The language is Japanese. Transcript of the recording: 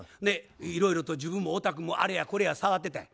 いろいろと自分も太田君もあれやこれや触ってたんや。